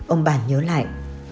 ông bản nhớ lại